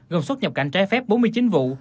gồm xuất nhập cảnh trái phép bốn mươi chín vụ